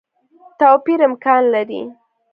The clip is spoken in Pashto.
توپیر امکان لري.